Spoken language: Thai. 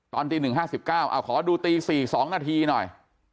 ตอนตีหนึ่งห้าสิบเก้าขอดูตีสี่สองนาทีหน่อย